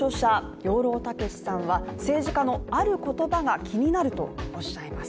養老孟司さんは政治家のある言葉が気になるとおっしゃいます。